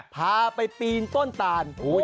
พาไปปีนต้นตาน